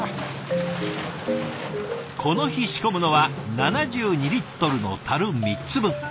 この日仕込むのは７２リットルのたる３つ分。